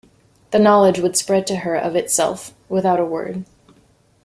The knowledge would spread to her of itself, without a word.